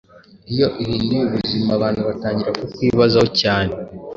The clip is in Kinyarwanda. Iyo uhinduye ubuzima abantu batangira kukwibazaho cyane